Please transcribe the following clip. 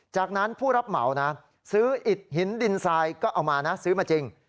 จากนั้นผู้รับเหมานะซื้ออิดหินดินทรายก็เอามานะซื้อมาจริง